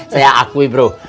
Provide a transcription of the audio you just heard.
saya akui bro